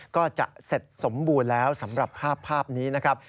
ก็จะเสร็จสมบูรณ์แล้วสำหรับภาพนี้นะครับ